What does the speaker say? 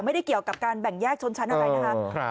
ไม่ได้เกี่ยวกับการแบ่งแยกชนชั้นอะไรนะครับ